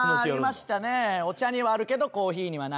お茶にはあるけどコーヒーにはない。